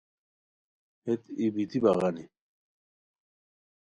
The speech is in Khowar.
ہیت ای بیتی بغانی